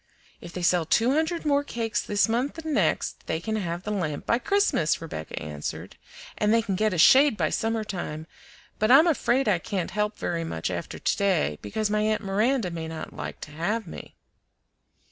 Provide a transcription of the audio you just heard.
"If they sell two hundred more cakes this month and next, they can have the lamp by Christmas," Rebecca answered, "and they can get a shade by summer time; but I'm afraid I can't help very much after to day, because my aunt Miranda may not like to have me."